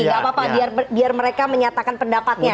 tidak apa apa biar mereka menyatakan pendapatnya